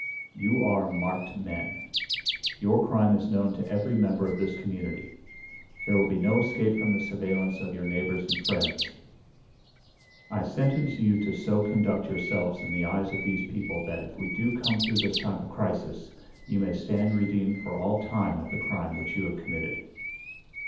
You are marked men. Your crime is known to every member of this community. There will be no escape from the surveillance of your neighbors and friends. I sentence you to so conduct yourselves in the eyes of these people that, if we do come through this time of crisis, you may stand redeemed for all time of the crime which you have committed.